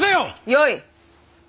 よい。